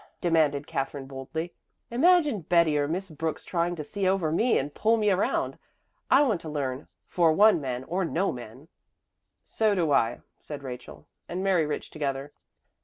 demanded Katherine boldly. "Imagine Betty or Miss Brooks trying to see over me and pull me around! I want to learn, for one men or no men." "So do I," said Rachel and Mary Rich together.